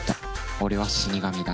俺は死神だ。